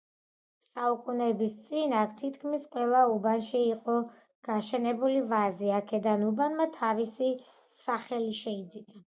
საუკუნეების წინ აქ თითქმის ყველა უბანში იყო გაშენებული ვაზი, აქედან უბანმა თავისი სახელი შეიძინა.